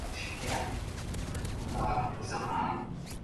mahusiano kati ya viongozi na wanahabari yako